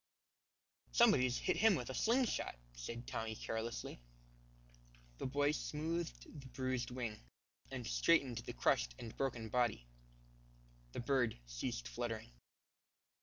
"Somebody's hit him with a sling shot," said Tommy, carelessly. The boy smoothed the bruised wing, and straightened the crushed and broken body. The bird ceased fluttering.